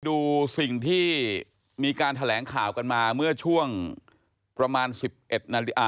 ดูสิ่งที่มีการแถลงข่าวกันมาเมื่อช่วงประมาณ๑๑นาฬิกา